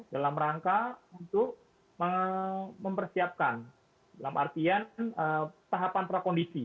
dalam rangka untuk mempersiapkan dalam artian tahapan prakondisi